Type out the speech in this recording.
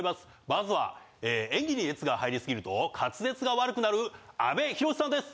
まずは演技に熱が入りすぎると滑舌が悪くなる阿部寛さんです。